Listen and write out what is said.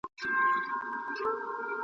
او له سترګو یې د اوښکو رود وو تاللی !.